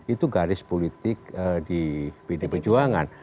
itu garis politik di pd perjuangan